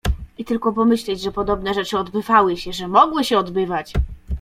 "I tylko pomyśleć, że podobne rzeczy odbywały się, że mogły się odbywać."